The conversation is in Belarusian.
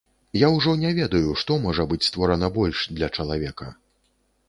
Я ўжо не ведаю, што можа быць створана больш для чалавека.